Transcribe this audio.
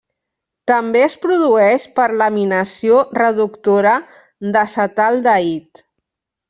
També es produeix per l'aminació reductora d'acetaldehid.